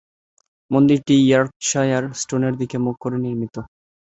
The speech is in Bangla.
মন্দিরটি ইয়র্কশায়ার স্টোনের দিকে মুখ করে নির্মিত।